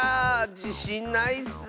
じしんないッス。